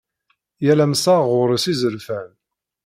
Yal amsaɣ ɣer-s izerfan.